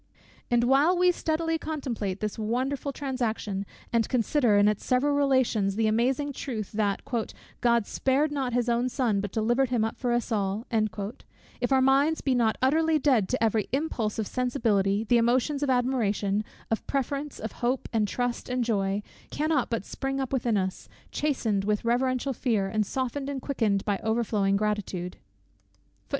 And while we steadily contemplate this wonderful transaction, and consider in its several relations the amazing truth, that "God spared not his own Son, but delivered him up for us all;" if our minds be not utterly dead to every impulse of sensibility, the emotions of admiration, of preference, of hope, and trust, and joy, cannot but spring up within us, chastened with reverential fear, and softened and quickened by overflowing gratitude.